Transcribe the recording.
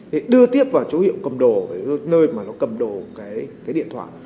thì đưa tiếp vào chỗ hiệu cầm đồ nơi mà nó cầm đồ cái điện thoại